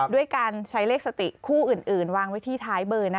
ด้วยการใช้เลขสติคู่อื่นวางไว้ที่ท้ายเบอร์